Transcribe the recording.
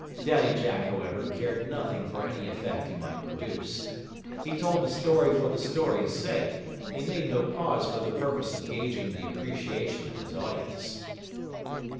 Daddy Jack, however, cared nothing for any effect he might produce. He told the story for the story's sake, and he made no pause for the purpose of gauging the appreciation of his audience.